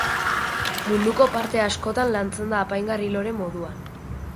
Munduko parte askotan lantzen da apaingarri-lore moduan.